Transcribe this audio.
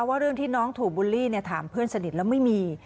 ว่าเรื่องที่น้องถูกบูลลี่ถามเพื่อนสนิทแล้วไม่มี